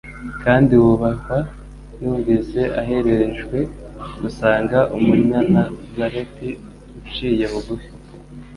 kandi wubahwa yumvise areherejwe gusanga Umunyanazareti uciye bugufi.